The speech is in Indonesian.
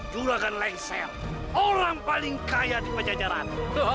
juragan lengsel orang paling kaya di penjajaran